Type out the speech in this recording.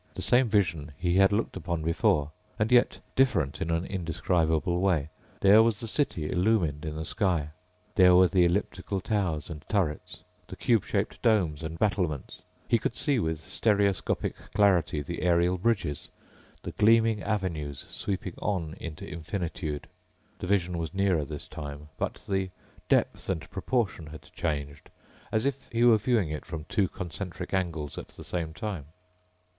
The same vision he had looked upon before and yet different in an indescribable way. There was the city illumined in the sky. There were the elliptical towers and turrets, the cube shaped domes and battlements. He could see with stereoscopic clarity the aerial bridges, the gleaming avenues sweeping on into infinitude. The vision was nearer this time, but the depth and proportion had changed ... as if he were viewing it from two concentric angles at the same time.